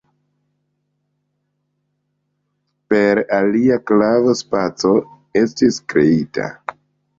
Per alia klavo spaco estis kreita.